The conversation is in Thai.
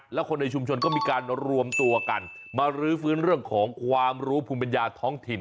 แล้วคนในชุมชนก็มีการรวมตัวกันมารื้อฟื้นเรื่องของความรู้ภูมิปัญญาท้องถิ่น